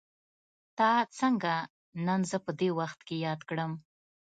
تا څنګه نن زه په دې وخت کې ياد کړم.